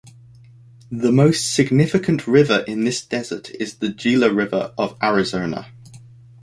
The most significant river in this desert is the Gila River of Arizona.